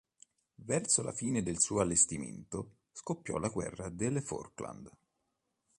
Verso la fine del suo allestimento scoppiò la Guerra delle Falkland.